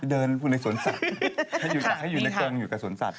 เดินอยู่ในสวนสัตว์ให้อยู่ในกรงอยู่กับสวนสัตว